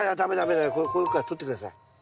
ここからとって下さい。